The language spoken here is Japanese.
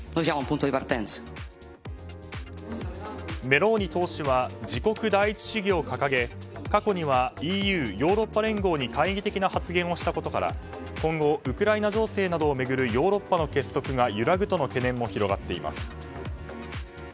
メローニ党首は自国第一主義を掲げ過去にはＥＵ・ヨーロッパ連合に懐疑的な発言をしたことから今後、ウクライナ情勢などを巡るヨーロッパの結束が揺らぐとの懸念も広がっています。